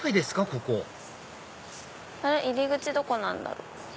ここ入り口どこなんだろう？